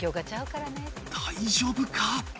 大丈夫か？